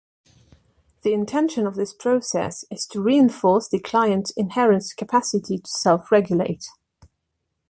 The intention of this process is to reinforce the client's inherent capacity to self-regulate.